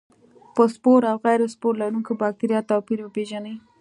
د سپور او غیر سپور لرونکو بکټریا توپیر وپیژني.